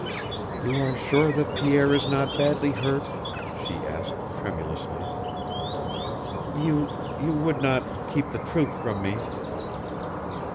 "You are sure that Pierre is not badly hurt?" she asked, tremulously. "You you would not keep the truth from me?"